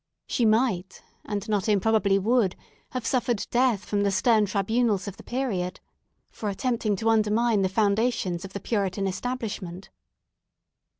She might, and not improbably would, have suffered death from the stern tribunals of the period, for attempting to undermine the foundations of the Puritan establishment.